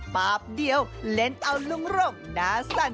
ป๊าบเดียวเล่นเอาหลงหน้าสั้น